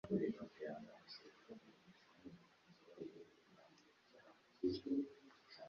Sinari nzi amafaranga bizatwara kugirango imodoka yanjye isanwe.